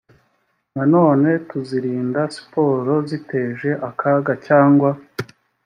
nanone tuzirinda siporo ziteje akaga cyangwa